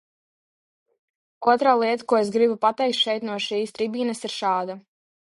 Otra lieta, ko es gribu pateikt šeit, no šīs tribīnes, ir šāda.